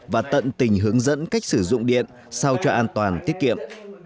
và tận tình hướng dẫn cách sử dụng điện sao cho an toàn tiết kiệm